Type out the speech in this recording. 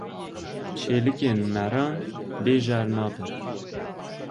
Çêlikên maran bêjehr nabin.